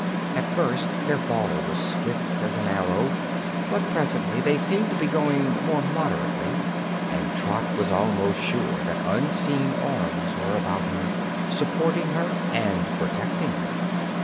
At first their fall was swift as an arrow, but presently they seemed to be going more moderately and Trot was almost sure that unseen arms were about her, supporting her and protecting her.